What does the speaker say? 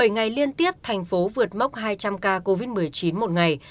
bảy ngày liên tiếp thành phố vượt mốc hai trăm linh ca covid một mươi chín một ngày